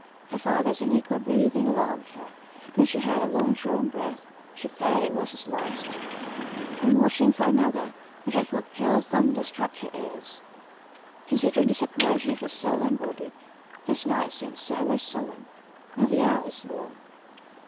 Her father's unequal breathing alarmed her, when she heard a long drawn breath, she feared it was his last, and watching for another, a dreadful peal of thunder struck her ears. Considering the separation of the soul and body, this night seemed sadly solemn, and the hours long.